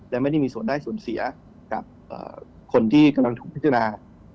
และไม่ได้มีส่วนได้ส่วนเสียกับคนที่กำลังถูกพิจารณา